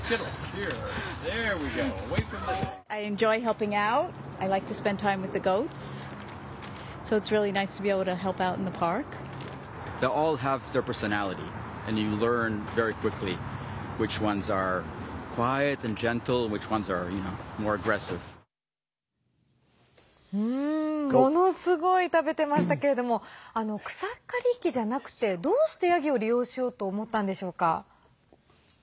ものすごい食べてましたけれども草刈り機じゃなくてどうしてヤギを利用しようと思ったんでしょうか。